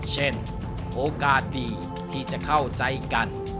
เช่นโอกาสดีที่จะเข้าใจกัน